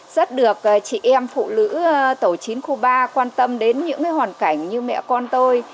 rất được chị em phụ nữ tổ chính khu ba quan tâm đến những hoàn cảnh như mẹ con tôi